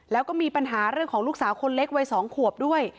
แล้วก็มีปัญหาเรื่องของลูกสาวคนเล็กวัย๒ขวบด้วย